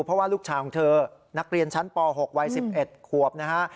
เพราะว่าลูกชายของเธอนักเรียนชั้นป๖วัย๑๑ขวบนะฮะ